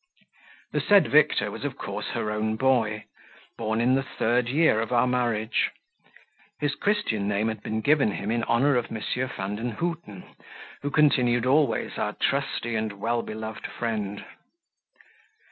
The said Victor was of course her own boy, born in the third year of our marriage: his Christian name had been given him in honour of M. Vandenhuten, who continued always our trusty and well beloved friend.